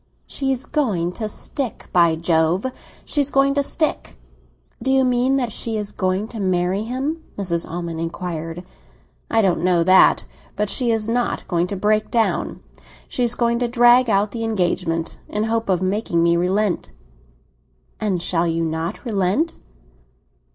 "She's going to stick, by Jove! she's going to stick." "Do you mean that she is going to marry him?" Mrs. Almond inquired. "I don't know that; but she is not going to break down. She is going to drag out the engagement, in the hope of making me relent." "And shall you not relent?"